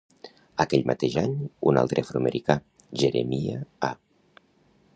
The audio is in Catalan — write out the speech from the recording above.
Aquell mateix any, un altre afroamericà, Jeremiah A.